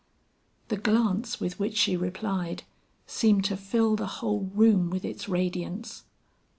The glance with which she replied seemed to fill the whole room with its radiance.